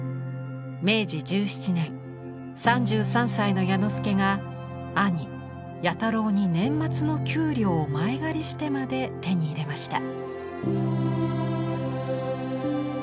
明治１７年３３歳の彌之助が兄彌太郎に年末の給料を前借りしてまで手に入れました。